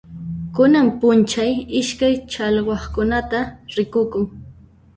Kunan p'unchay iskay challwaqkunata rikukun.